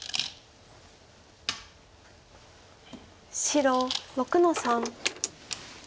白６の三。